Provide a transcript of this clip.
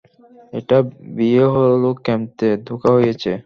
এটা বিয়ে হলো ক্যামতে, ধোঁকা হয়েছে।